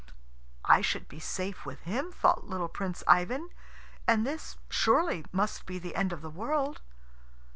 "I should be safe with him," thought little Prince Ivan, "and this, surely, must be the end of the world."